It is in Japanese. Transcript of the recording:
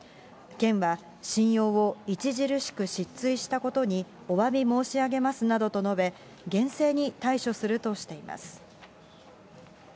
県は信用を著しく失墜したことにおわび申し上げますなどと述べ、厳正に対処するとしています。